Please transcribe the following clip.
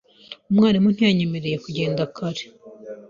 Umwarimu ntiyanyemereye kugenda kare.